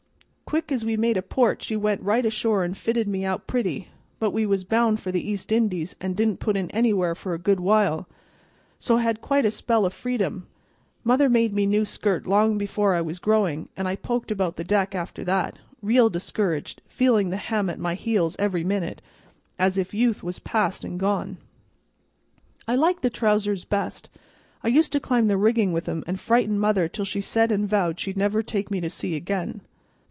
Quick as we made a port she went right ashore an' fitted me out pretty, but we was bound for the East Indies and didn't put in anywhere for a good while. So I had quite a spell o' freedom. Mother made my new skirt long because I was growing, and I poked about the deck after that, real discouraged, feeling the hem at my heels every minute, and as if youth was past and gone. I liked the trousers best; I used to climb the riggin' with 'em and frighten mother till she said an' vowed she'd never take me to sea again."